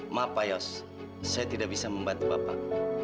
saya tidak bisa membantu bapak